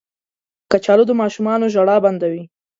کچالو د ماشومانو ژړا بندوي